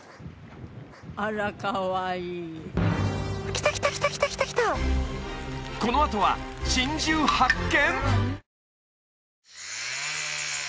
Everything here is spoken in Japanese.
あらこのあとは珍獣発見！？